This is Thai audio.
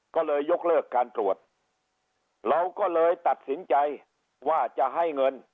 ก็เลยยกเลิกการตรวจเราก็เลยตัดสินใจว่าจะให้เงิน